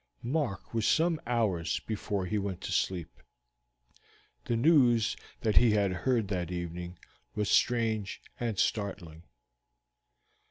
Mark was some hours before he went to sleep. The news that he had heard that evening was strange and startling.